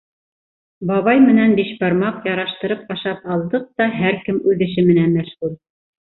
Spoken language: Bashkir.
Бабай менән бишбармаҡ яраштырып ашап алдыҡ та һәр кем үҙ эше менән мәшғүл.